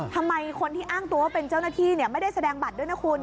ทำไมคนที่อ้างตัวว่าเป็นเจ้าหน้าที่ไม่ได้แสดงบัตรด้วยนะคุณ